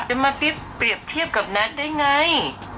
จะมาเปรียบเทียบกับนัทได้ไง